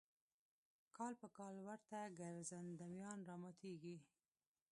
کال په کال ورته ګرځندویان راماتېږي.